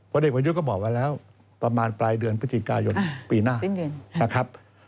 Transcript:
วันเด็กวันยุคก็บอกว่าแล้วประมาณปลายเดือนปฏิกายนปีหน้า